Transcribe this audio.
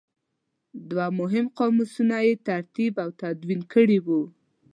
دوه مهم قاموسونه یې ترتیب او تدوین کړي وو.